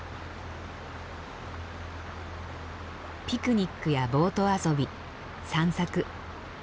ピクニックやボート遊び散策。